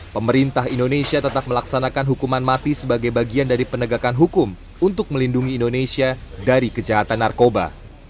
pemerintah indonesia tetap melaksanakan hukuman mati sebagai bagian dari penegakan hukum untuk melindungi indonesia dari kejahatan narkoba